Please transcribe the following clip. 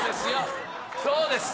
そうですよ。